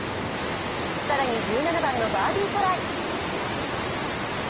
更に１７番のバーディートライ。